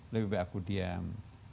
lebih baik aku diam